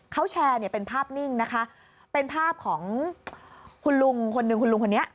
เขาแชร์เนี่ยเป็นภาพนิ่งนะคะเป็นภาพของคุณลุงคนหนึ่งคุณลุงคนนี้